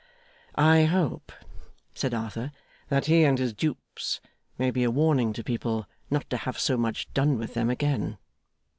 'I hope,' said Arthur, 'that he and his dupes may be a warning to people not to have so much done with them again.